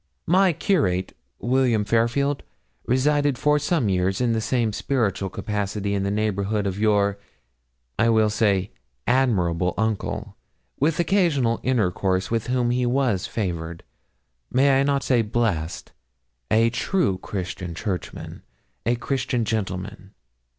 My curate, William Fairfield, resided for some years in the same spiritual capacity in the neighbourhood of your, I will say, admirable uncle, with occasional intercourse with whom he was favoured may I not say blessed? a true Christian Churchman a Christian gentleman.